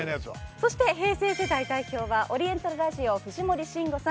そして平成世代代表はオリエンタルラジオ藤森慎吾さん